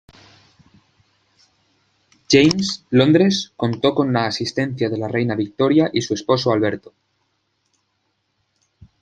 James, Londres, contó con la asistencia de la Reina Victoria y su esposo Alberto.